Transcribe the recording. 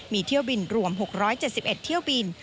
มีเที่ยวบินรวม๖๗๑เที่ยวบิน